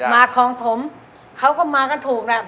มาของผมเขาก็มากันถูกแล้ว